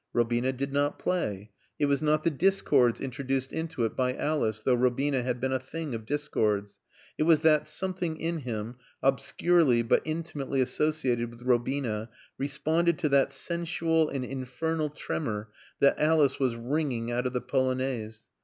Robina did not play. It was not the discords introduced into it by Alice, though Robina had been a thing of discords. It was that something in him, obscurely but intimately associated with Robina, responded to that sensual and infernal tremor that Alice was wringing out of the Polonaise.